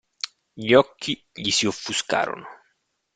Gli occhi gli si offuscarono.